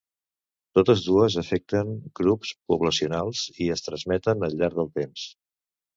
Totes dues afecten grups poblacionals i es transmeten al llarg del temps.